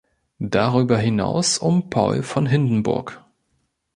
Darüber hinaus um Paul von Hindenburg.